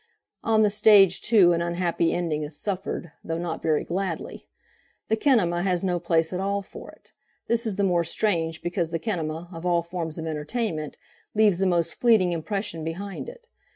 "On the stage, too, an unhappy ending is suffered, though not very gladly. The kinema has no place at all for it. This is the more strange because the kinema, of all forms of entertainment, leaves the most fleeting impression behind it.